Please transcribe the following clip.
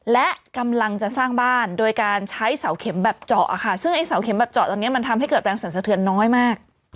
และกำลังจะสร้างบ้านโดยการใช้เสาเข็มแบบเจาะค่ะซึ่งไอ้เสาเข็มแบบเจาะตอนนี้มันทำให้เกิดแรงสรรสะเทือนน้อยมาก